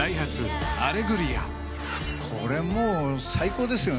これもう最高ですよね。